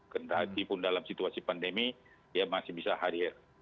karena hatipun dalam situasi pandemi ya masih bisa hadir